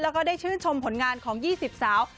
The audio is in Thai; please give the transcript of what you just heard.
แล้วก็ได้ชื่นชมผลงานของ๒๐สาว